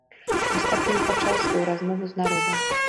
Вось так ён пачаў сваю размову з народам.